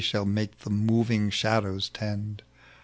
make the moving shadows tend.